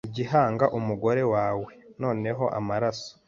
igihanga umugore wawe noneho amaraso